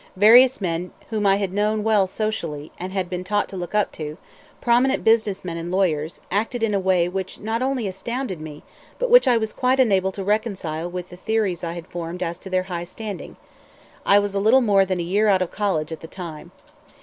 Various men whom I had known well socially and had been taught to look up to, prominent business men and lawyers, acted in a way which not only astounded me, but which I was quite unable to reconcile with the theories I had formed as to their high standing I was little more than a year out of college at the time.